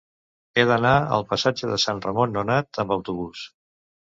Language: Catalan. He d'anar al passatge de Sant Ramon Nonat amb autobús.